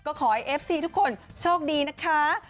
ก็ขอให้เอฟซีทุกคนโชคดีนะคะ